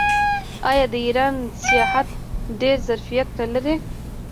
آیا د ایران سیاحت ډیر ظرفیت نلري؟